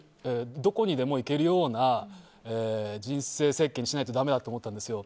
どこにでも行けるような人生設計にしないとだめだと思ったんですよ。